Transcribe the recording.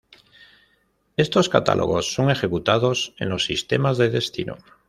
Estos catálogos son ejecutados en los sistemas de destino.